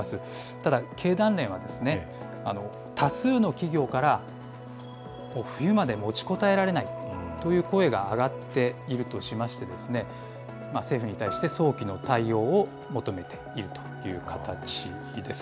ただ、経団連は多数の企業から冬まで持ちこたえられないという声が上がっているとしまして、政府に対して早期の対応を求めているという形です。